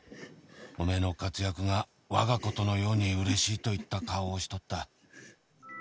「おめえの活躍が我が事のように嬉しいといった顔をしとった」